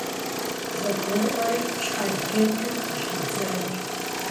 ЗэгурыӀуэри, щхьэлтетым къыхидзащ.